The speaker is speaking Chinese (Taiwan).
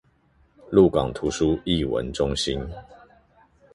鹿港圖書藝文中心